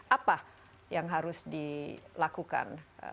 apa yang harus dilakukan